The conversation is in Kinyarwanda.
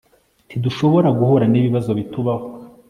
ntidushobora guhura nibibazo bitubaho